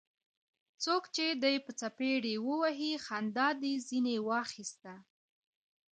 څوک چي دي په څپېړه ووهي؛ خندا دي ځني واخسته.